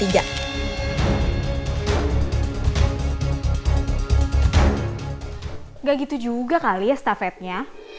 nggak gitu juga kali ya estafetnya